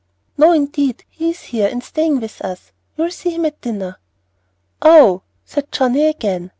"No, indeed, he is here, and staying with us. You will see him at dinner." "Oh!" said Johnnie again.